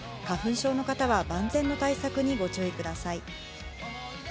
花粉症の方は万全の対策でご注意ください。